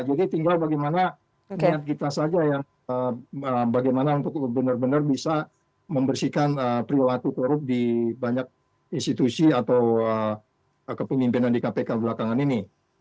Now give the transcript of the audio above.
jadi tinggal bagaimana niat kita saja yang bagaimana untuk benar benar bisa membersihkan pria waktu teruk di banyak institusi atau kepemimpinan di kpk belakangan ini